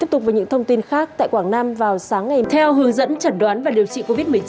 theo hướng dẫn chẩn đoán và điều trị covid một mươi chín